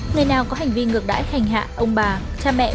người nào có hành vi ngược đãi hành hạ ông bà cha mẹ